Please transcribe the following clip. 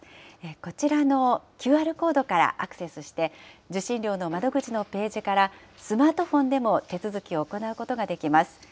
こちらのＱＲコードからアクセスして、受信料の窓口のページから、スマートフォンでも手続きを行うことができます。